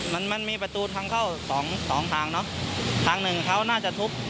มันมันมีประตูทางเข้าสองสองทางเนอะทางหนึ่งเขาน่าจะทุบ